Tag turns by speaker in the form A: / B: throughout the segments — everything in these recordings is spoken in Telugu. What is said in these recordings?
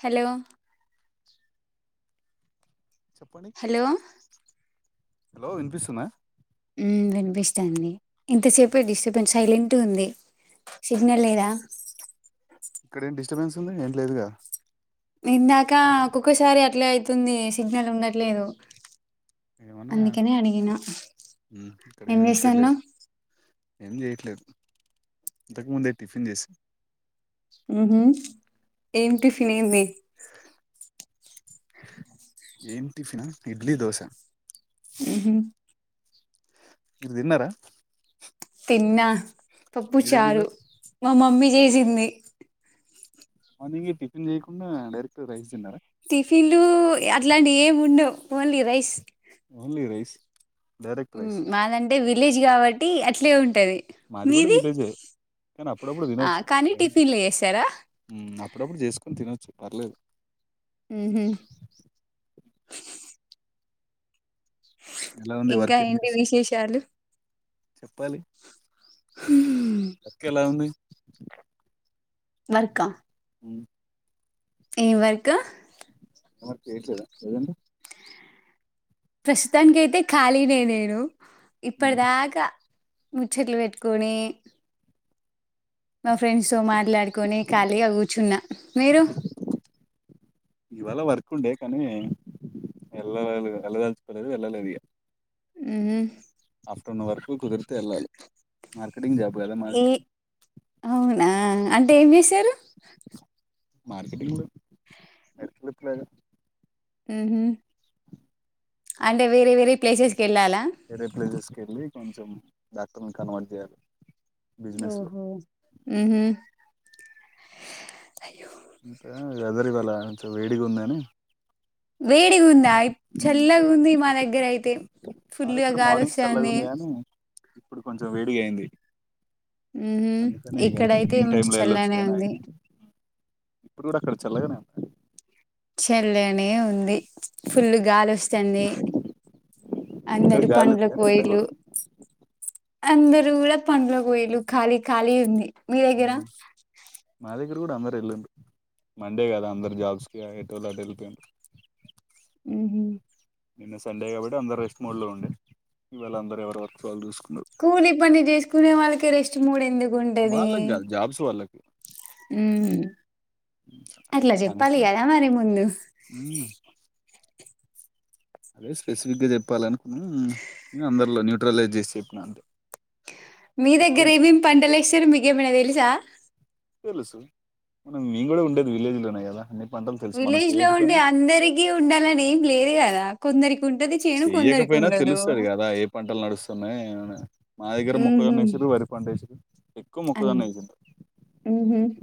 A: హలో
B: చెప్పండి
A: హాల్లో
B: హలో వినిపిస్తుందా
A: మ్మ్ వినిపిస్తాంది ఇంతసేపు డిస్టర్బెన్స్ సైలెంటు గుంది సిగ్నల్ లేదా
B: ఇక్కడ ఏం డిస్టబెన్స్ ఉంది ఏం లేదుగా
A: ఇందాక ఒక్కొక్కసారి అట్లే అయితుంది సిగ్నల్ ఉండట్లేదు
B: ఏనాపి
A: అందుకనే అడిగిన
B: ఇక్కడ
A: ఏం
B: ఇషూ లేదు
A: చేస్తాన్నావ్
B: ఏం చేయట్లేదు ఇంతకుముందే టిఫిన్ చేసి
A: మ్మ్ హ్మ్ ఏన్ టిఫిన్ ఏంది
B: ఏన్ టిఫన్ ఇడ్లీ దోశ
A: అహ
B: తిన్నారా
A: తిన్నా పప్పు
B: మీరేం
A: చారు
B: తిన్నారు
A: మా మమ్మీ చేసింది
B: మం టిఫిన్ చేయకుండా డైరక్ట్ రైస్ తిన్నారా
A: టిఫిన్లు అట్లాంటివి ఏమి ఉండవు only rice
B: only rice direct rice
A: మాదంటే విలేజ్ కాబట్టి అట్లే ఉంటది
B: మాది కూడా
A: మీది
B: విలేజే కానీ అప్పుడప్పుడు
A: ఆ
B: తినొచ్చు
A: కానీ
B: ఏ
A: టిఫిన్లు చేస్తారా
B: అప్పుడప్పుడు చేసుకొని తినొచ్చు పర్లేదు
A: హహ
B: ఎలా ఉంది
A: ఇంకా
B: వర్క్ ఏ
A: ఏంటి విశేషాలు
B: చెప్పాలి వర్క్ ఎలా ఉంది
A: మర్క
B: అవు
A: ఏం వర్క్
B: న మరి కేదా ఏదడి [inaudible]
A: ప్రస్తుతానికి అయితే ఖాళీనేే నేను ఇప్పటి
B: ఉమ్,
A: దాకా ముచ్చట్లు పెట్టుకొని మా ఫ్రెండ్స్ తో మాట్లాడుకొని ఖాళీగా కూర్చున్న మీరు
B: ఇవాళ వర్క్ ఉండే కానీ వెళ వెళ్ళదలుచుకోలేదు వెళ్ళలేదు ఇక
A: ఉమ్
B: ఆఫ్టర్నూన్ వర్క్లు కుదిర్తే వెళలీ మార్కెటింగ్ జాబ్ కదా మాది
A: ఏ అవునా అంటే ఏం చేసారు
B: మార్కెట్ంగ్
A: అంటే వేరే వేరే ప్లేసెస్ కి వెళ్ళాలా
B: వేరే ప్లేసెస్కి వెళ్ళి కొంచెం డాక్టర్ని కన్వర్ట్ చేయాలి బిజినెస్ లో
A: ఓహో
B: ఇంత వెదర్ ఇవాళ వేడిగా ఉందని
A: వేడిగా ఉందా చల్లగా ఉంది మా దగ్గర అయితే
B: మా
A: ఫుల్గా
B: దగ్గర మార్నింగ్ చల్లగా
A: గాలివస్తాంది
B: ఉంది కానీ ఇప్పుడు కొంచెం వేడిగా అయింది
A: మ్మ్
B: అందుకనే ఈ
A: ఇక్కడైతే
B: ఈవ్నింగ్
A: మంచి
B: టైమ్ లో ఏళ్ళచు
A: చల్లనే ఉంది
B: ఇప్పుడు కూడా అక్కడ చల్లగానే ఉ
A: చెల్లనే ఉంది ఫుల్ గాలి వస్తుంది
B: ఇక్కడ
A: అందరి
B: గాలి
A: పండ్ల
B: ఉంది కానీ ఎండ
A: కోయిలు
B: కూడా
A: అందరు కూడా పన్లకి పోయారు ఖాళీ ఖాళీ ఉంది మీ దగ్గర
B: మాది అందరు వెళ్ళండి మండే కదా అందరు జాబ్స్ కి ఎటుదట వెళ్ళిపోయింది
A: ఆ
B: నిన్న సండే కాబట్టి అందరు రెస్ట్ మోడ్ లో ఉండే ఇవాళ అందరూ ఎవరు వర్క్స్ వాళ్ళు చూసుకో
A: కూలి పని చేసుకునే వాళ్ళకి రెస్ట్ మూడ ఎందుకు గుంటేది
B: వాళ్ళకి కాదు జాబ్స్ వాళ్ళకి
A: ఉమ్ అట్లా చెప్పాలి
B: కనీసం
A: కదా మరి ముందు
B: మ్మ్ అదే స్పెసిఫిక్గా చెప్పాల అనుకున్నా నేను అందరిలో న్యూట్రలైజ్ చేసి చెప్పినను అంతే
A: మీ
B: ఎక్కువ
A: దగ్గర ఏమేం పంటలు వేస్తారు మీకేమైనా తెలుసా
B: తెలుసు మేము కూడా ఉండేది విలేజ్ లోనే కదా పంటలు తెలుసు మనం
A: విలేజ్ లో ఉండే
B: చేయకపోయినా
A: అందరికి ఉండాలని ఏం లేదు కదా కొందరికి ఇ ఉంటది చేను కొందరికి
B: చెయ్యకపోయినా
A: ఉండదు
B: తెలుస్తది కదా ఏ పంటలు మా దగ్గర
A: ఉహు
B: ముక్కజన్న వేసిరూ వరిపంట వేసిరి ఎక్కువ
A: అ
B: ముక్కజొన్న వేసారు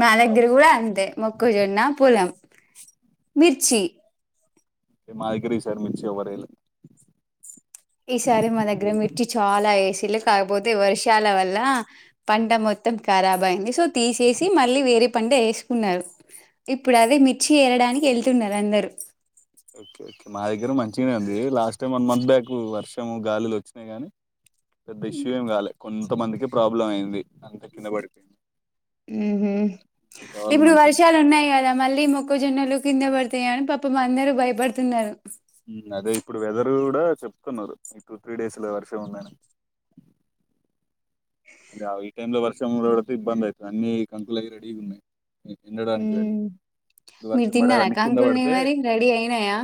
A: మా దగ్గర కూడా అంతే మొక్కజొన్న పొలం మిర్చి
B: మాగరి సార్ మించివరల
A: ఈసారి మా దగ్గర మిర్చి చాలా వేస్త లు కాకపోతే వర్షాల వల్ల పంట మొత్తం ఖరాబ్ అయింది సో తీసేసి మళ్ళీ వేరే పంట వేసుకున్నారు ఇప్పుడు అదే మిర్చి ఏరడానికి వెళ్తున్నారు అందరు
B: ఓకే ఓకే మా దగ్గర గాలిలు వచ్చినాయి గాని పెద్ద ఇష్యూ ఏమి కాలేదు కొంతమందికి ప్రాబ్లం అయింది అంత [unintelligible] మిగతా వాళ్ళు
A: ఇప్పుడు వర్షాలు
B: మంచిగనే
A: ఉన్నాయి కదా మళ్ళీ ము ఎక్కువ జొన్నలు కింద పడతాయ అని పాపమ అందరూ భయపడుతున్నారు
B: అదే ఇప్పుడు వెదర్ కూడా చెప్తున్నారు ఈ టూ త్రీ డేస్ లో వర్షం ఉంద అదే ఈ టైమ్ లో వర్ష ముూరడుత ఇ బందయతు అన్ని కంకులగి రెడీ ఉన్నాయి ఎ-
A: ఉ
B: ఎండడానికి రెడీ ఇప్పుడు
A: మీరు
B: వర్షం పడే
A: తిన్నారా
B: అవన్నీ కింద
A: కాంకుల్ని
B: పడితే
A: మరి రెడీ అయినాయా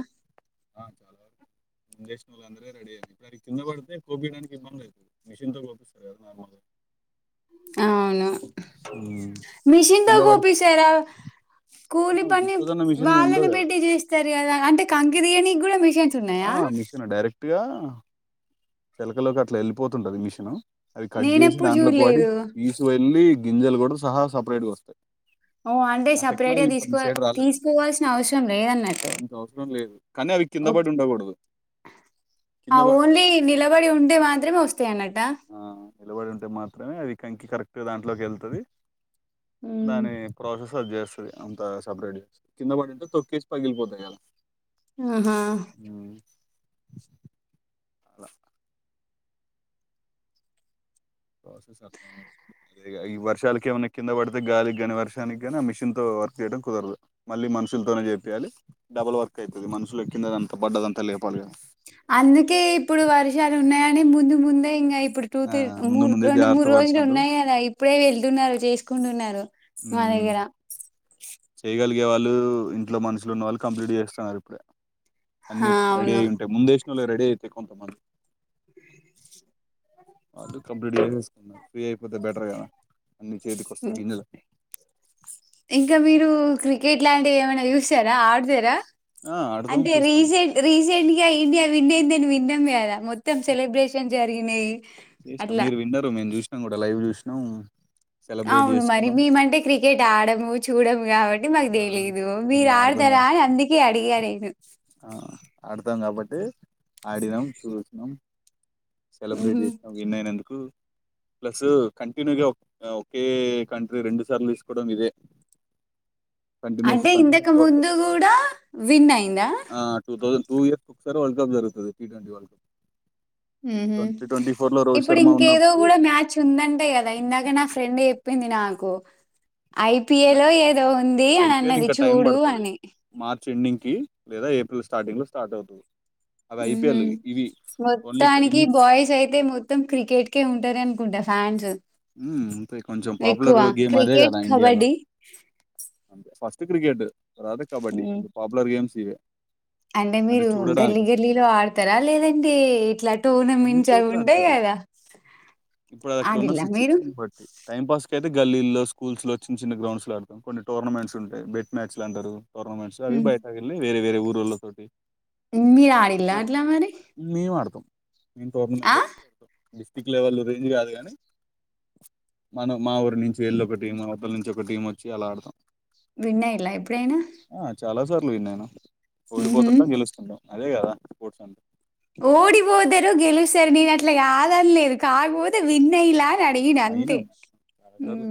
B: ముంేషన్ వాల్ అందరే రెడీ అయి ఇప్పుడు అ కి పడితే కోపయడానికి ఇబ్బంది లేదు మిషన్ కోపిస్తారు కదా నార్మల్గా
A: అవును
B: ఉమ్.
A: మిషన్ తో
B: కింద పడి
A: కూపిసారా కూలి పని
B: మొక్కజొన్న మిషన్ ఉండదు
A: వాళ్ళని
B: కదా
A: పెట్టి చేస్తారు కదా అంటే కంకి కూడా మిషన్స్
B: ఆ
A: ఉన్నాయా
B: మిషన్ డైరెక్ట్ గా చెలకలోకి అట్లా వెళ్ళిపోతుంటది మిషన్ అవి కట్ చేసి
A: నేనెప్పుడు
B: దాంట్లో పడి
A: చూడలేదు
B: ఈసువల్లి గింజలు కూడా సహా సపరేట్గా వస్తాయి
A: ఓ అంటే
B: ఆ
A: సపరేట్ గా
B: టెక్నాలజీ ఇంకా మీ
A: తీసుకో
B: సైడ్ రాలేదా
A: తీసుకోవాల్సిన అవసరం లేదన్నట్టు
B: కిందబడి
A: ఓకే
B: ఉండకూడదు
A: ఆ
B: కింద పడి ఉంటే
A: ఓన్లీ నిలబడి ఉండే మాత్రమే వస్త
B: ఆ నిలబడి ఉంటే మాత్రమే అది కంకి కరెక్ట్గా దాంట్లోకి వెళ్తుంది
A: ఉమ్,
B: దాని ప్రోసెసర్ చేస్త అంత సపరేట్ కింద పడింటే తొక్కేసి పగిలిపోతాయి కదా
A: ఆహా
B: హలో ప్రసెస్ ఈ వర్షాలక ఏమన్నా కింద పడితే గాలికి గాని వర్షానికి గాని ఆ మిషన్ తో వర్క్ చేయడం కుదరదు మళ్ళీ మనుషులతోనే చెయి డబల్ వర్క్ అవుతుంది మనుషులు ఎక్కింద అంత పడ్డదంతా లేదు ప్ప
A: అందుకే ఇప్పుడు వర్షాలు ఉన్నాయని ముందు ముందే ఇంకా ఇప్పుడు టూ
B: ఆ
A: తీ మూ
B: ముందు ముందే
A: రెండు మూడు
B: జాగ్రత్త
A: రోజులు
B: పడుతుండ్రు
A: ఉన్నాయి కదా ఇప్పుడే వెళ్తున్నారు చేసుకుంటున్నారు మా
B: ఉమ్
A: దగ్గర
B: చేగాలి గే వాళ్ళు ఇంట్లో మనుషులు ఉన్న వాళ్ళు కంప్లీట్ చేస్తున్నారు ఇప్పుడు అన్ని
A: ఆ
B: రెడీ అయి ఉంటాయి ముందే రెడి అయితే కొంత మంది అ
A: అవును
B: కంప్లీట్ చేసుకున్నారు ఫ్రీ అయిపో కాకపోతే బెటర్ కదా అన్ని చేతికి వస్తే గింజలు
A: ఇంకా మీరు క్రికెట్ లాంటివి ఏమైనా చూసారా ఆడతారా
B: ఆ ఆడతాం
A: అంటే
B: చూస్తాం
A: రీసెంట్ రీసెంట్ గా ఇండియా వవిన్నయ్యిందని విన్న కదా మొత్తం సెలబ్రేషన్ జరిగినాయి
B: చేసినాం
A: అట్లా
B: మీరు విన్నారురు మేము చూసినాం కూడా లైవ్ చూసినాం సెలబ్రేట్
A: అవును మరి
B: చేసుకున్నాం
A: మేమంటే క్రికెట్ ఆడము చూడము కాబట్టి అంటే మాకు
B: ఆ
A: తెలిదు మీరు
B: మేము ఆడతాం కా
A: ఆడతారా అని అందుకే అడిగా నేను
B: ఆ ఆడతాం కాబట్టి ఆడినాం చూసినాం సెలబ్రేట్
A: మ్హూ.
B: చేసినాం విన్న అయినందుకు ప్లస్ కంటిన్యూగా ఒకే కంట్రీ రెండు సార్లు తీసుకోవడం ఇదే కంటిన్యూస్
A: అంటే ఇంతకు
B: కన్సిక్యూటివ్ వరల్డ్
A: ముందు కూడా విన్ అయిందా
B: cup two thousand two years sir world cup జరుగుతుంది ట్వ వల్డ్ కప్
A: హ
B: ట్వంటీ ట్వంటీ ఫోర్ లో రోహిత్
A: ఇప్పుడు
B: శర్మ
A: ఇంకేదో
B: ఉన్నప్పుడు
A: కూడా మ్యాచ్ ఉందంటే కదా ఇందాక నా ఫ్రెండ్ చెప్పింది నాకు ఐపిఎ లో ఏదో ఉంది అని
B: ఐపీఎల్
A: అన్నది
B: ఇంకా టైం
A: చూడు
B: పడుతది
A: అని
B: మార్చ్ ఎండింగ్ కి లేదా ఏప్రిల్ స్టార్టింగ్ లో స్టార్ట్ అవుతుంది ఓన్లీ
A: మొత్తానికి బాయ్స్ అయితే మొత్తం క్రికెట్కే ఉంటార అని గుడ్ే ఫ్యాన్స్
B: అంటే కొంచెం
A: ఎక్కువ
B: పాపులర్ గేమ్ అదే
A: క్రికెట్
B: కదా ఇండియాలోస్
A: కబడ్డీ
B: క్రికెట్ అ కబడ్ీ
A: హ్మ్
B: కొం పాపుులర్ గేమ్స్ ఇే
A: అంటే మీరు గల్లీ గల్లీలో ఆడతారా లేదంటే ఇట్లా
B: అన్ని
A: టోర్నమెట్వి
B: చోట్ల
A: ఉంటాయి
B: ఆడతారు
A: కదా ఆ
B: ఇప్పుడు అది అక్కడ ఉన్న సిచువేషన్ బట్టి టైం పాస్ కయితే గల్లీల్లో స్కూల్స్ లో చిన్న చిన్న గ్రౌండ్స్ ఆడతాం కొన్ని టోర్నమెంట్స్ ఉంటాయి బెట్ మ్యాచ్లు అంటారు టోర్మెంట్స్ అవి
A: హ్మ్
B: బయటకి వెళ్ళయి వే వేరే ఊళ్ళతోటి
A: మీరు ఆడిలా అట్లా మరి
B: మెయిన్ టోర్నమెంట్
A: ఆ
B: లో డిస్ట్రిక్ట్ లెవెల్ రేంజ్ కాదు కానీ మనం మా ఊరి నుంచి వెళ్ళ ఒక టీం వద్దల నుంచి ఒక టీం వచ్చి అలా ఆడతాం
A: విన్ఐయిరా ఎప్పుడేనా
B: ఆ చాలా సార్లు విన్నాను ఓడిపోతుంటాం గెలుస్తుంటాం అదే కదా స్ర్ట్స్ అంటే
A: సర నను అట్లా యాదన లేదు కాకపోతే విన్నైలా ఆడిగిన అంతే
B: అయినాం చాలా సార్లు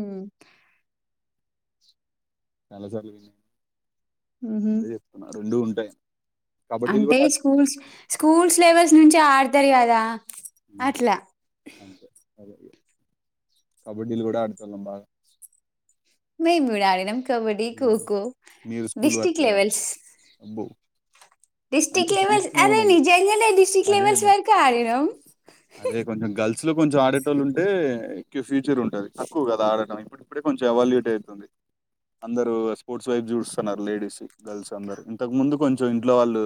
B: చాలా సార్లు విన్నా
A: ఉహు
B: అదే చెప్తున్నా రెండు ఉంటాయ
A: అంటే స్కూల్స్ స్కూల్స్ లెవెల్స్ నుంచి ఆడుతారు కదా
B: ఉమ్,
A: అట్లా
B: అంతే అదే ఇక. కబడ్డీలు కూడా అడుతం బాగా
A: మెంకుడాడినామ్ కబడ్డి
B: ఉమ్,
A: ఖోఖో
B: మీరు స్కూల్
A: డిస్టక్ట్
B: వరకే కదా
A: లెవెల్స్
B: అబ్బో అంటే
A: డిస్టక్ట్ లేవెల్స్
B: కొంచెం
A: అదే నిజంగా డిస్ట్రిక్ట్
B: అదే
A: లేవెల్స్
B: అదే
A: వరకు ఆడినామ్
B: అదే కొంచెం గల్త్ అస్లో కొంచెం ఆడటళ్ళ ఉంటే ఫ్యూచర్ ఉంటుది తక్కువ కదా ఆడటం ఇప్పుడు ఇప్పుడే కొంచం ఎవాల్యూట్ అవుతుంది
A: హా
B: అందరుూ స్పోర్ట్స్ వైపు చూస్తున్నారు లేడీస్ గర్ల్స్ అందరు ఇంతకు ముందు కొంచెం ఇంట్లో వాళ్ళు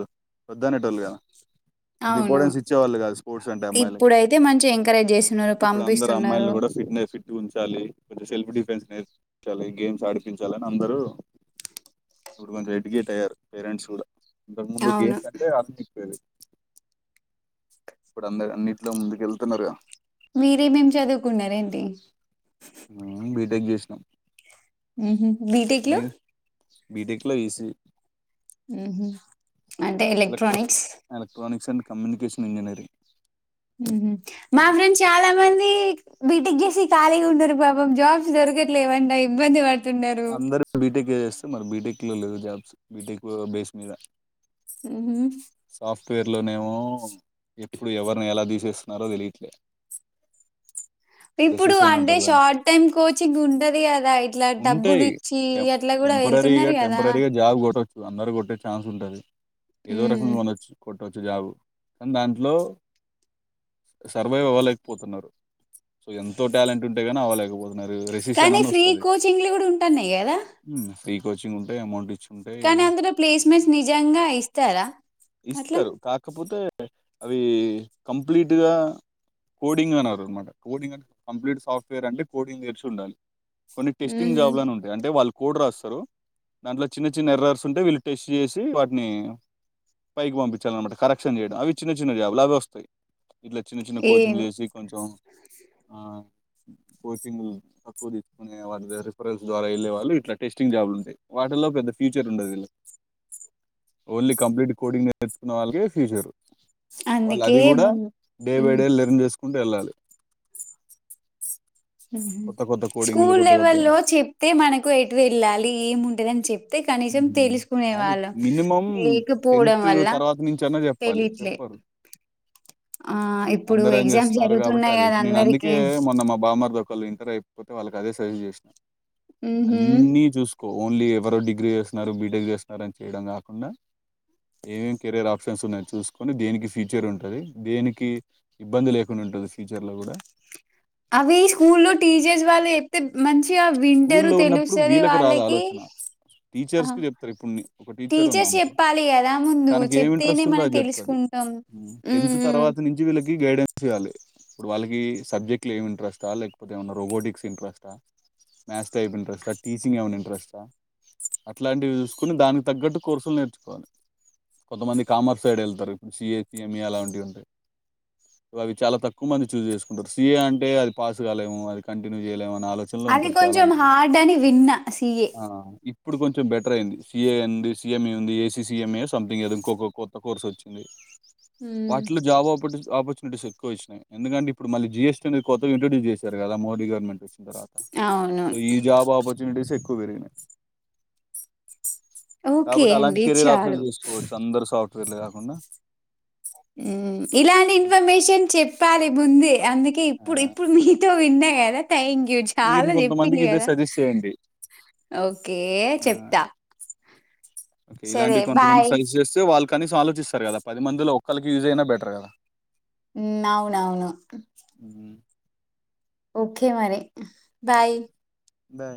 B: వొద్దానేటోళ్ళు కదా అంత
A: అవును
B: ఇంపార్టెన్స్ ఇచ్చేవాళ్ళు కాదు స్పోర్ట్స్ అంటే అమ్మాయిలకి
A: ఇప్పుడైతే మంచిగా ఎంకరేజ్ చేస్తున్నారు
B: ఇప్పుడు అందరు అమ్మాయిలు
A: పంపిస్తున్నారు
B: కూడా ఫిట్ ఫిట్ ఉంచాలి కొంచెం సెల్ఫ్ డిఫెన్స్ నేర్పించాలి గేమ్స్ ఆడు ఎకించాలని అందరూ ఇప్పుడు కొంచం ఎడ్యుకేట్ అయ్యారు పేరెంట్స్ కూడా ఇంతకు ముందు
A: అవును
B: గేమ్స్ కంటే అర్ చెప్పేది ఇప్పుడు అంద అన్నిట్లో ముందుకు వెళ్తున్నారుగా
A: మీరే మేం చదువుకున్నారంటి
B: ఇ
A: బిటెక్ లో
B: బీటెక్ లో ఈసిఎ
A: అంటే electronics
B: electrics and communication engineering
A: మా ఫరిం చాలా మంది బీటికి చేసి ఖాళీగా ఉండన్నారు పాాపం జాబ్స్ దొరకట్లేవండి ఇబ్బంది పడతంది
B: అందరు బీటెక్ చేస్తే మరి బీటెక్ లో లేదు జాబ్స్ బీటెక్ బేస్ మీద
A: అ
B: పేర్లోనేమో
A: హా
B: ఎప్పుడు ఎవరిని ఎలా తీసేస్తున్నారో తెలియట్లేదు
A: ఇప్పుడు అంటే షార్ట్ టైమ్ కోచింగ్ ఉంటది కదా ఇట్లా డబ్బులు
B: ఉంటాయి
A: ఇచ్చి అట్లా కూడా
B: టెంపరీగా
A: వెళ్తున్నారు కదా
B: టెంపరరీగా జాగు కొట్టచ్చు అందరు కొట్టే ఛాన్స్ ఉంటది ఏదో
A: ఉమ్
B: రకం కొనొచ్చు కొ ట్టొచ్చి జాబ్ కానీ దాంట్లో సర్వైవ్ అవ్వలేకపోతున్నారు సో ఎంతో టాలెంట్ ఉంటే ని అవ్వలేకపోతు
A: కానీ ఫ్రీ కోచింగ్లు కూడా ఉంటాన్నాయి కదా
B: ఫ్రీ కోచి ఉంటే అమౌం ఇచ్చ
A: కానీ అందులో ప్లేస్మెంట్స్ నిజంగా ఇస్తారా అట్లా
B: ఇస్తారు కాకపోతే అవి కంప్లీట్గా కోడింగ్ అన్నారు అనమాట కోడింగ్ అ కంప్లీట్ సాఫ్ట్వేర్ అంటే కోడింగ్ తెచి ఉండాలి కొన్ని టెస్టింగ్
A: ఉహు
B: జాబ్ అని ఉంటాయి అంటే వాళ్ళ కోడ్ రాస్తారు దాంట్లో చిన్న చిన్న ఎర్రర్స్ ఉంటే వీళ్ళు టెస్ట్ చేసి వాటిని పైకి పంపించాలన్నమాట కరెక్షన్ చేయడం అవి చిన్న చిన్న జాబులు అవి వస్తాయి ఇట్లా చిన్న చిన్న
A: ఏం
B: కోచింగ్ చేసి కొంచెం ఆ కోచింగ్ తక్కువ తీసుుకునే వారి దగ్గర [unintelligible] ద్వారా వెళ్లే వాళ్ళ ఇలా టెస్టింగ్ జాబ్లు ఉంటాయి వాటిలో పెద్ద ఫ్యూచర్ ఉండదు వ ఓన్లీ కంప్లీట్ కోడింగ్ నేర్చుకున్న వాళ్ళకే ఫ్యూచర్ వాళ్ళు
A: అందుకే
B: అది కూడా
A: ముందు
B: డే బై
A: ఉమ్
B: డే నిరం చేసుకుంటూ వెళ్ళాలి కొత్త కొత్త కోడింగ్‌లు
A: స్కూల్
B: కొత్త కొత్త
A: లవెల్ లో చెప్తే మనకు ఎటు వెళ్ళాలి ఏంంటదని చెప్తే కనీసం
B: హ్మ్.
A: తెలుసుకునే
B: అది
A: వాళ్ళం
B: మినిమమ్
A: లేకపోవడం వల్ల
B: తర్వాత నుంచన్నా చెప్పాలి.
A: తెలిట్లేదు
B: చెప్పరు.
A: ఆ ఇప్పుడు
B: అందరూ ఏం
A: ఎగ్జామ్స్
B: చేస్తున్నారు కాబట్టి
A: జరుగుతున్నాయి కదా అందరికి
B: ఇంటరు అయిపోతే వాళ్ళకి అదే సజజ చేసిన
A: ఉహు
B: అన్నీ చూసు ఓన్లీ ఎవరో డిగ్రీ చేస్తున్నారు బీటెగ చేస్తున్నారు అని చేయడం కాకుండా ఏమేం కెరయర్ ఆప్షన్స్ ఉన్నాయి చూసుకొని దేనికి ఫ్యూచర్ ఉంటుది దేనికి ఇబ్బంది లేకుండా ఉంటంది ఉంటుంది ఫ్యూచర్ లో కూడా
A: అవి ఈ స్కూల్ లో టీచర్స్ వాళ్ళే ఎతే మంచిగా వింటరు
B: స్కూల్లో ఉన్నప్పుడు
A: తెలుస్తుంది
B: వీళ్ళకి రాదు
A: వాళ్ళకి
B: ఆలోచన
A: ఆ
B: టీచర్స్కి చెప్తారు ఇప్పుడు నీ- ఒక టీచర్ ఉంది
A: టీచర్స్
B: అనుకో
A: చెప్పాలి కదా ముందు
B: తనకి ఏం
A: చెప్తేనే
B: ఇంట్రెస్ట్ ఉందో
A: మనం
B: అది చెప్తుంది
A: తెలుసుకుంట
B: గైడెన్స్యాలి ఇప్పుడు వాళ్ళకి సబ్జెక్ట్ లో ఏమి ఇంట్రెస్టా లేకపోతే ఏమన్నా రోబోటిక్స్ ఇంట్రెస్టా మథస్ ఎడు ఇంట్రెస్ టీచింగ్ ఎవ ఇంట్రెస్ అట్లాంటివి చూసుకుని దానికి తగ్గట్టు కోర్సులు నేర్చుకోవాలి కొంతమంది కామర్స్ సైడ్ వెళ్తారుడు సిీఏ సిఎంఈ అలాంటివి ఉంటాయి అవి చాలా తక్కువ మంది చూ్ చేసుకుంటారు స సిఏ అంటే అది పాస్ కాలేము అది కంటిన్యూ చేయలేము నాలుగు
A: అది కొంచెం హార్డ్ అని విన్నా సీఏ
B: ఆ ఇప్పుడు కొంచెం బెటర్ అయింది సీఏ ఉంది సీఎంఏ ఉంది ఏస సీఎంఏ సంథింగ్ది ఇంకొక కొత్త కోర్స్ వచ్చింది
A: ఉమ్
B: వాటిలో జాబ్ [inaudible] ఆపర్చునిటీస్ ఎకువ ఇచ్చినయి ఎందుకంట ఇప్పు మళ్ళ జఎస్టీ అనే కొత్త ఇంట్రడ్యూ చేశారు కా మోడీవర్నంట్ వచ్చిన తా
A: అవును
B: సో ఈ జాబ్ ఆపర్చునిటీస్ ఎక్కువ బరిన
A: ఓకే
B: కాబట్టి అలాంటి
A: అండి
B: కెరీర్
A: చాలు
B: ఆప్షన్ చేసుకోవచ్చు అందరు సాఫ్ట్వేర్లే కాకుండా
A: ఇలాంటి ఇన్ఫర్మేషన్ చెప్పాలి ముందే అందుకే
B: ఆ,
A: ఇప్పుడు ఇప్పుడు మీతో విన్నా కదా థ్యాంక్
B: మీరు
A: చాలా
B: ఇంకొంతమందికి
A: చెప్పింది
B: ఇదే
A: కదా
B: సజెస్ట్ చేయండి
A: ఓకే
B: ఆ,
A: చెప్త
B: ఓకే ఇలాంటి కొంతమంది [unintelligible] చేస్తే వాళ్ళకి కనీసం ఆలోచిస్తారు కదా పది మంది ఒక్కలికి యూజ్ అయినా బెటర్ కదా
A: ఉ అవునవును
B: ఉమ్,
A: ఓకే మరి బాయ్
B: బా